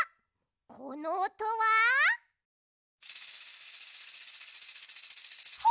このおとは。はあ！